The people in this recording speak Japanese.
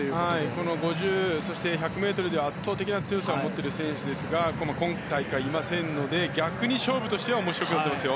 この５０そして１００ｍで圧倒的な強さを持っている選手ですが今大会、いませんので逆に勝負としては面白くなっていますよ。